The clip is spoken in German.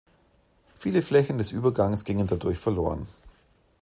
Viele Flächen des Übergangs gingen dadurch verloren.